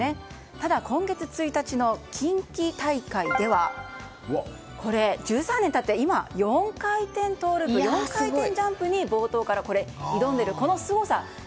ただ今月１日の近畿大会では１３年経って今、４回転トウループ４回転ジャンプに冒頭から挑んでいる。